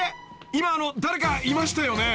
今あの誰かいましたよね？］